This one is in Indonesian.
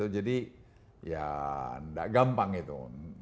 jadi ya nggak gampang itu